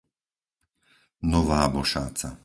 Nová Bošáca